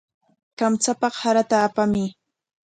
Kamchapaq sarata apamuy.